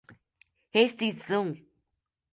rescisão